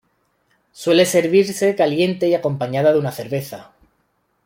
Suele servirse caliente y acompañada de una cerveza.